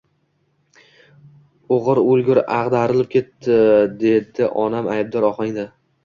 O‘g‘ir o‘lgur ag‘darilib ketdi, — dedi onam aybdor ohangda.